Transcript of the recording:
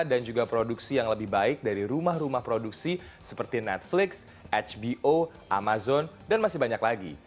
dan juga produksi yang lebih baik dari rumah rumah produksi seperti netflix hbo amazon dan masih banyak lagi